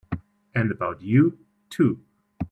And about you too!